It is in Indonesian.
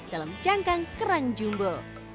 dalam cangkang kerang jumbo